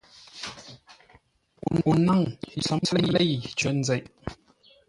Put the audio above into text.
O nâŋ: yʉʼ tsəm lêi cər nzeʼ.